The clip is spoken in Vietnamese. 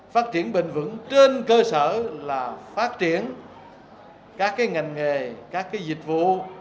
phát triển bình vẩn trên cơ sở là phát triển các ngành nghề các dịch vụ